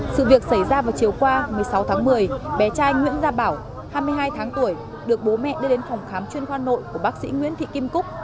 sự việc xảy ra vào chiều qua một mươi sáu tháng một mươi bé trai nguyễn gia bảo hai mươi hai tháng tuổi được bố mẹ đưa đến phòng khám chuyên khoa nội của bác sĩ nguyễn thị kim cúc